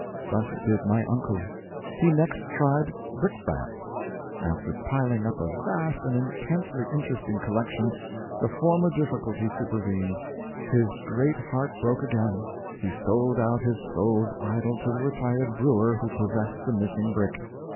Thus did my uncle. He next tried brickbats. After piling up a vast and intensely interesting collection, the former difficulty supervened; his great heart broke again; he sold out his soul's idol to the retired brewer who possessed the missing brick.